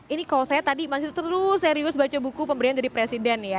ini kalau saya tadi masih terus serius baca buku pemberian dari presiden ya